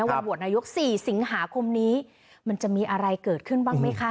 วันโหวตนายก๔สิงหาคมนี้มันจะมีอะไรเกิดขึ้นบ้างไหมคะ